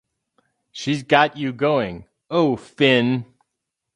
She's got you going — oh, Finn!